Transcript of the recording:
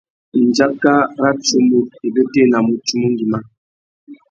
Ndjaka râ tsumu i bétēnamú tsumu ngüimá.